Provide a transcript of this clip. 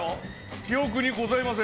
記憶にございません。